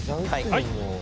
はい！